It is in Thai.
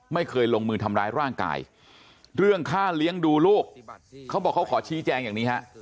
ไม่เคยลงมือทำร้ายร่างกายเรื่องค่าเลี้ยงดูลูกเขาบอกเขาขอชี้แจงอย่างนี้ฮะ